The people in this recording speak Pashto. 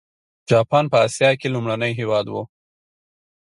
جاپان په اسیا کې لومړنی هېواد و.